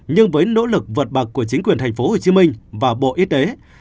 nhưng với nỗ lực vượt bậc của chính quyền thành phố hồ chí minh và bộ y tế